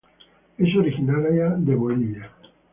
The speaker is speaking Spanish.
Es originaria de Bolivia.